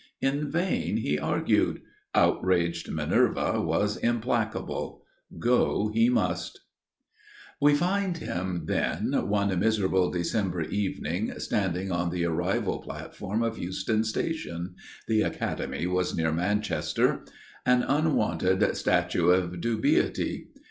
In vain he argued. Outraged Minerva was implacable. Go he must. We find him, then, one miserable December evening, standing on the arrival platform of Euston Station (the academy was near Manchester), an unwonted statue of dubiety.